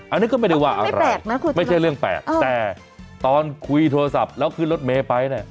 อันนี้ก็ไม่ได้ว่าอะไรไม่ใช่เรื่องแปลกแต่ตอนคุยโทรศัพท์แล้วขึ้นรถเมฆไปเนี่ย